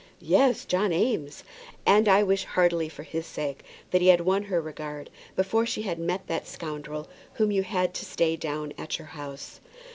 "Yes, John Eames. And I wish heartily for his sake that he had won her regard before she had met that rascal whom you had to stay down at your house."